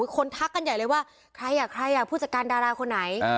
ทักกันใหญ่เลยว่าใครอ่ะใครผู้จัดการดาราคนไหน